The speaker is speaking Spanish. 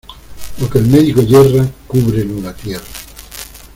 Lo que el médico yerra, cúbrelo la tierra.